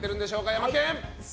ヤマケン。